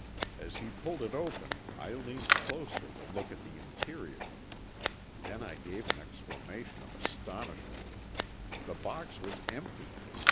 As he pulled it open I leaned closer to look at the interior. Then I gave an exclamation of astonishment. The box was empty!